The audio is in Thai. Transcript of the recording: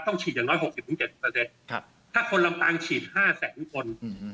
ต้องฉีดอย่างน้อยหกสิบหุ้นเจ็ดเปอร์เซตครับถ้าคนลำปางฉีดห้าแสนคน